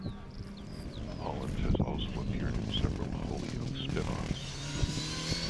Hollins has also appeared in several "Hollyoaks" spin offs.